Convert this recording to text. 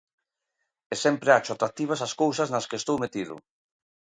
E sempre acho atractivas as cousas nas que estou metido.